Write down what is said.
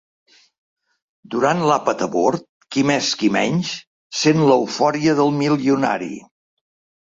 Durant l'àpat a bord, qui més qui menys sent l'eufòria del milionari.